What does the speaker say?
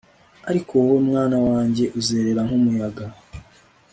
Ariko wowe mwana wanjye uzerera nkumuyaga